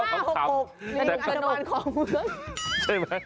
๒๕๖๖อันดับน้ำมันของเมือง